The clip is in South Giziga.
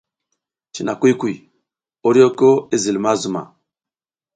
Cina kuy kuy, oryoko i zil ma zuma.